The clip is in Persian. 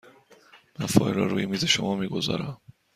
من فایل را روی میز شما می گذارم.